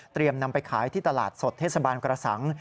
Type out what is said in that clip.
นำไปขายที่ตลาดสดเทศบาลกระสัง